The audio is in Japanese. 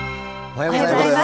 おはようございます。